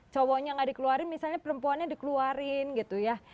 cowoknya nggak dikeluarin misalnya perempuannya dikeluarin gitu ya